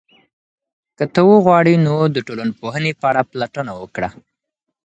که ته وغواړې، نو د ټولنپوهنې په اړه پلټنه وکړه.